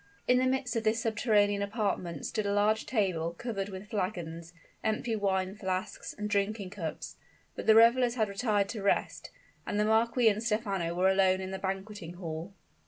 In the midst of this subterranean apartment stood a large table, covered with flagons, empty wine flasks, and drinking cups; but the revelers had retired to rest and the marquis and Stephano were alone in that banqueting hall.